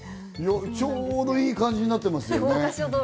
ちょうどいい感じになってますね。